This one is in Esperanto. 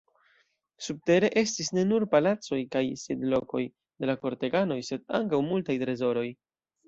Subtere estis ne nur palacoj kaj sidlokoj de la korteganoj, sed ankaŭ multaj trezoroj.